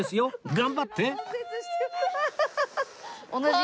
頑張って！